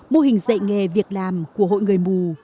mô hình dạy nghề việc làm của hội người mù